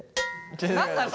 何なの？